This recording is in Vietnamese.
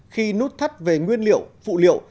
khi nút thắt về nguyên liệu phụ liệu